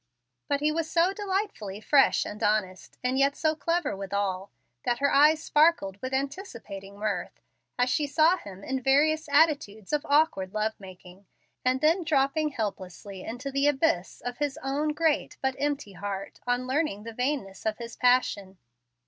But he was so delightfully fresh and honest, and yet so clever withal, that her eyes sparkled with anticipating mirth as she saw him in various attitudes of awkward love making, and then dropping helplessly into the abyss of his own great, but empty heart, on learning the vainness of his passion.